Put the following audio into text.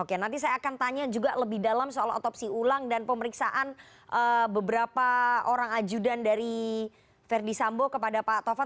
oke nanti saya akan tanya juga lebih dalam soal otopsi ulang dan pemeriksaan beberapa orang ajudan dari verdi sambo kepada pak tovan